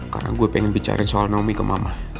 karena gue pengen bicara soal naomi ke mama